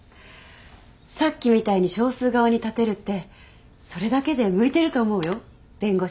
さっきみたいに少数側に立てるってそれだけで向いてると思うよ弁護士。